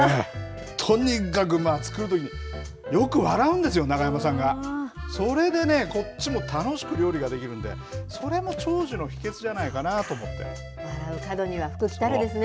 とにかく作るとき、よく笑うんですよ、永山さんが、それでね、こっちも楽しく料理ができるんで、それも長寿の秘けつじゃないかな笑う門には福来るですね。